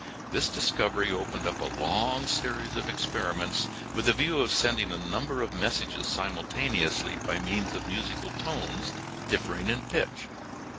This discovery opened up a long series of experiments with the view of sending a number of messages simultaneously by means of musical tones differing in pitch.